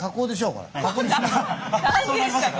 そうなりましたか。